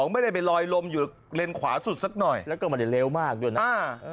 ไม่ได้ไปลอยลมอยู่เลนขวาสุดสักหน่อยแล้วก็ไม่ได้เร็วมากด้วยนะ